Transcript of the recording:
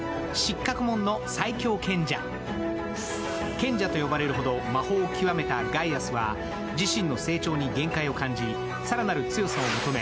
賢者と呼ばれるほど魔法を極めたガイヤスは自身の成長に限界を感じ更なる強さを求め